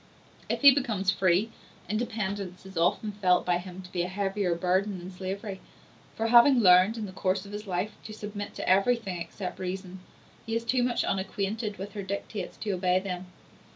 If he becomes free, independence is often felt by him to be a heavier burden than slavery; for having learned, in the course of his life, to submit to everything except reason, he is too much unacquainted with her dictates to obey them.